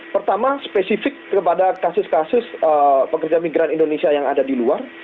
pertama spesifik kepada kasus kasus pekerja migran indonesia yang ada di luar